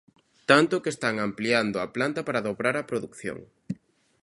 Tanta, que están ampliando a planta para dobrar a produción.